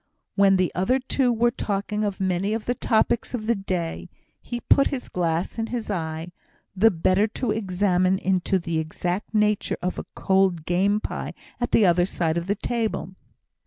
When the other two were talking of many of the topics of the day, he put his glass in his eye, the better to examine into the exact nature of a cold game pie at the other side of the table.